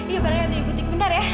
iya para yang di butik bentar ya